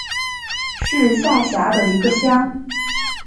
是下辖的一个乡。